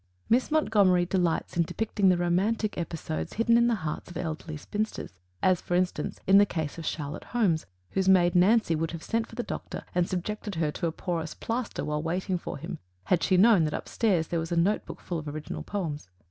Miss Montgomery delights in depicting the romantic episodes hidden in the hearts of elderly spinsters as, for instance, in the case of Charlotte Holmes, whose maid Nancy would have sent for the doctor and subjected her to a porous plaster while waiting for him, had she known that up stairs there was a note book full of original poems.